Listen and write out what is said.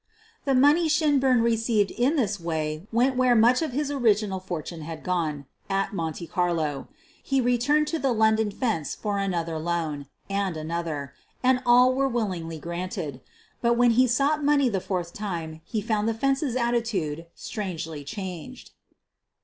The money Shinburn received in this way went where much of his original fortune had gone — at Monte Carlo. He returned to the London "fence" for another loan, and another — and all were willing ly granted. But when he sought money the fourth time he found the "fence's" attitude strangely changed.